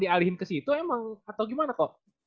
dialihin ke situ emang atau gimana kok